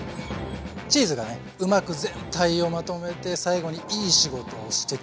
チーズがねうまく全体をまとめて最後にいい仕事をしてくれます。